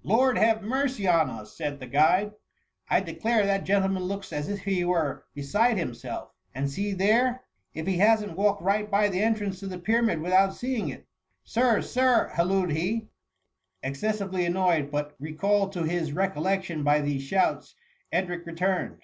" Lord have mercy on us !'' said the guide ;^^ I declare that gentleman looks as if he were 204 THE MUMMY. beside himself ? and see there ! if he hasn't walked right by the entrance to the Pyranud without seeing it ! Sir ! Sir !" halloed he. Excessively annoyed, but recalled to his re collection by these shouts, Edric returned.